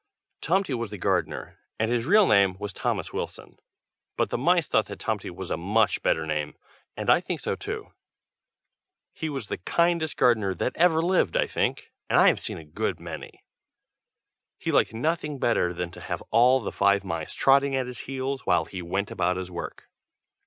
Tomty was the gardener, and his real name was Thomas Wilson, but the mice thought that Tomty was a much better name, and I think so too. He was the kindest gardener that ever lived, I think, and I have seen a good many. He liked nothing better than to have all the five mice trotting at his heels while he went about his work.